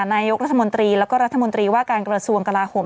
นายกรัฐมนตรีแล้วก็รัฐมนตรีว่าการกระทรวงกลาโหม